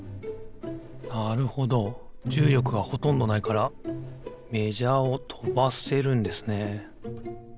なるほどじゅうりょくがほとんどないからメジャーをとばせるんですね。